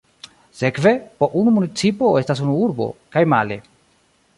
Sekve, po unu municipo estas unu urbo, kaj male.